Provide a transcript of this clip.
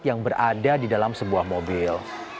yang berada di dalam sebuah mobil